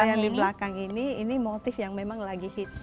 kalau yang di belakang ini ini motif yang memang lagi hits